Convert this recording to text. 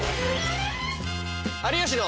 「有吉の」。